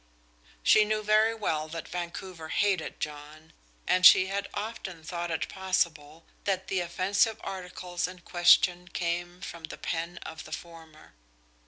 She knew very well that Vancouver hated John, and she had often thought it possible that the offensive articles in question came from the pen of the former.